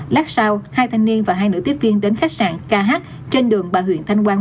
lát sau hai thanh niên và hai nữ tiếp viên đến khách sạn kh trên đường bà huyện thanh quang